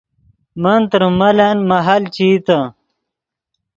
من تریم ملن مہل چے ایتے